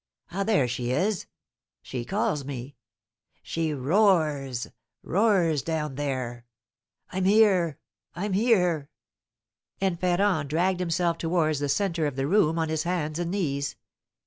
Ah, there she is! She calls me; she roars roars down there! I'm here I'm here!" and Ferrand dragged himself towards the centre of the room on his hands and knees.